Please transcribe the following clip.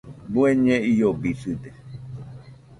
¿Bueñe iobisɨde?